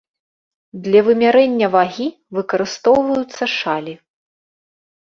Для вымярэння вагі выкарыстоўваюцца шалі.